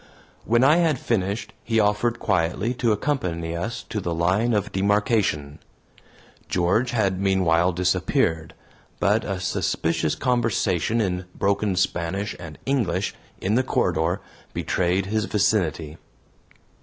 When I had finished, he offered quietly to accompany us to the line of demarcation. George had meanwhile disappeared, but a suspicious conversation in broken Spanish and English, in the corridor, betrayed his vicinity.